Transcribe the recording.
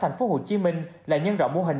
thành phố hồ chí minh là nhân rộng mô hình